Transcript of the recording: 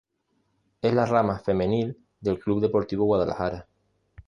Es la rama femenil del Club Deportivo Guadalajara.